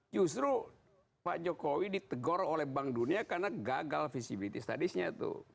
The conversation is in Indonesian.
justru pak jokowi ditegor oleh bank dunia karena gagal visibility studiesnya tuh